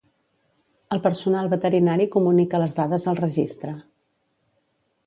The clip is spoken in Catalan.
El personal veterinari comunica les dades al Registre.